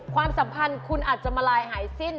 ความสัมพันธ์คุณอาจจะมาลายหายสิ้น